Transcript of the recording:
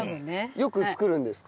よく作るんですか？